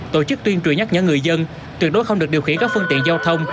tổ chức tuyên truyền nhắc nhở người dân tuyệt đối không được điều khiển các phương tiện giao thông